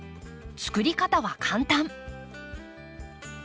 作り方は簡単。